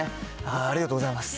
ありがとうございます。